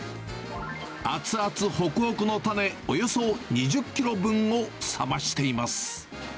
熱々ほくほくの種、およそ２０キロ分を冷ましています。